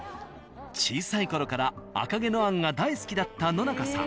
小さいころから「赤毛のアン」が大好きだった野中さん。